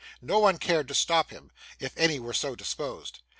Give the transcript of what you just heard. No one cared to stop him, if any were so disposed.